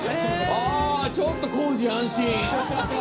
あちょっと耕司安心。